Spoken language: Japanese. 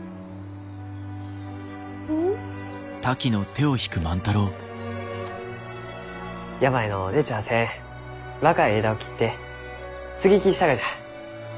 うん？病の出ちゃあせん若い枝を切って接ぎ木したがじゃ。